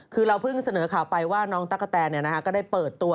คือเราเพิ่งเสนอข่าวไปว่าน้องตั๊กกะแตนก็ได้เปิดตัว